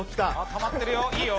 たまってるよいいよ。